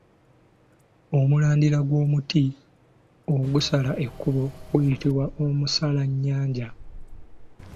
Omulandira gw’omuti ogusala ekkubo guyitibwa Omusalannyanja.